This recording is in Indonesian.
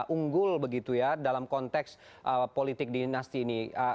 unggul begitu ya dalam konteks politik dinasti ini